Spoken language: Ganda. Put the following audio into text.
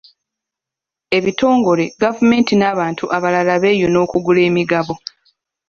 Ebitongole, Gavumenti n'abantu abalala beeyuna okugula emigabo.